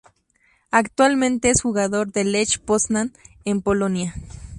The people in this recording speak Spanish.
Actualmente es jugador del Lech Poznan en Polonia.